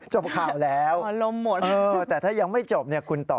จบข่าวแล้วแต่ถ้ายังไม่จบเนี่ยคุณต่อ